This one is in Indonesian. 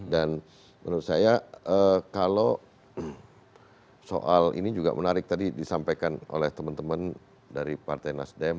dan menurut saya kalau soal ini juga menarik tadi disampaikan oleh teman teman dari partai nasdem